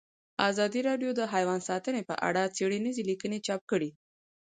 ازادي راډیو د حیوان ساتنه په اړه څېړنیزې لیکنې چاپ کړي.